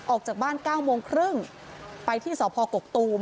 ออกจากบ้าน๙โมงครึ่งไปที่สพกกตูม